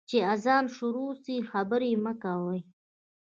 چي اذان شروع سي، خبري مه کوئ.